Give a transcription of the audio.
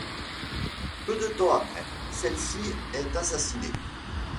Peu de temps après, celle-ci est assassinée.